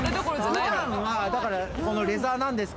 普段はだからこのレザーなんですけど。